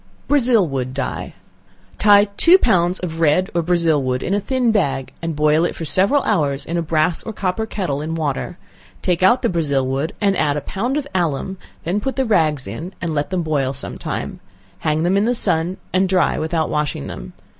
Brazil Wood Dye. Tie two pounds of red or Brazil wood in a thin bag, and boil it for several hours in a brass or copper kettle in water; take out the Brazil wood and add a pound of alum, then put the rags in, and let them boil some time; hang them in the sun, and dry without washing them.